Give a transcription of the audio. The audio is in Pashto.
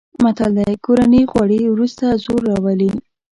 متل دی: کورني غوړي ورسته زور راولي.